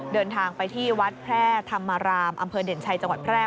เดินทางไปที่วัดแพร่ธรรมารามอำเภอเด่นชัยจังหวัดแพร่